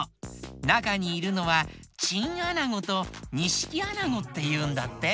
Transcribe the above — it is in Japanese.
なかにいるのはチンアナゴとニシキアナゴっていうんだって。